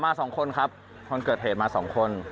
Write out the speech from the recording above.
สองคนครับคนเกิดเหตุมาสองคน